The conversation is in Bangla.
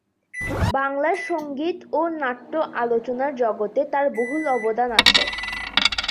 বাংলার সঙ্গীত ও নাট্য আলোচনার জগতে তার বহুল অবদান আছে।